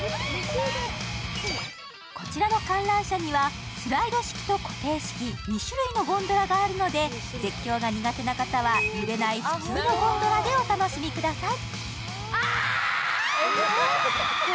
こちらの観覧車にはスライド式と固定式２種類のゴンドラがあるので、絶叫が苦手な方は揺れない普通のゴンドラでお楽しみください。